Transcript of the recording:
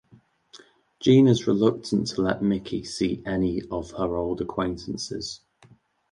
Jeanne is reluctant to let Mickey see any of her old acquaintances.